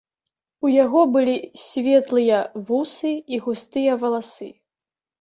У яго былі светлыя вусы і густыя валасы.